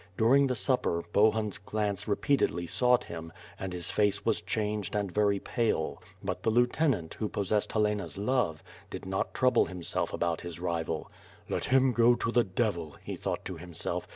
During the supper, Bohun's glance repeatedly sought him and his face was changed and very pale. But the lieutenant, who possessed Helena's love, did not trouble himself about his rival. "Let him go to the devil," he thought to himself.